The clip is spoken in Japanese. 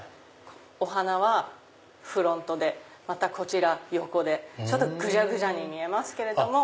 お鼻はフロントでまたこちら横でグジャグジャに見えますけども。